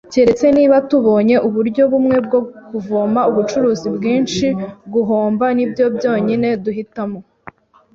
Keretse niba tubonye uburyo bumwe bwo kuvoma ubucuruzi bwinshi, guhomba nibyo byonyine duhitamo.